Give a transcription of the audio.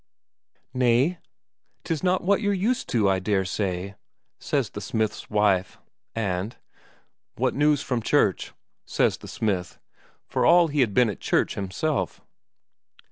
"Nay, 'tis not what you're used to, I dare say," says the smith's wife. And, "What news from church?" says the smith, for all he had been at church himself.